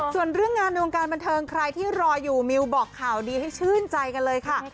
ส่วนเรื่องงานในวงการบันเทิงใครที่รออยู่มิวบอกข่าวดีให้ชื่นใจกันเลยค่ะ